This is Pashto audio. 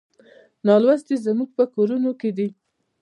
نالوستي زموږ په کورونو کې دي.